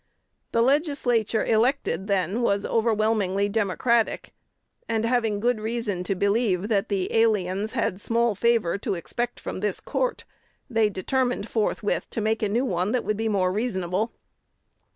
The Legislature elected then was overwhelmingly Democratic; and, having good reason to believe that the aliens had small favor to expect from this court, they determined forthwith to make a new one that would be more reasonable.